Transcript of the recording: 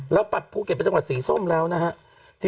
ปัดภูเก็ตไปจังหวัดสีส้มแล้วนะฮะ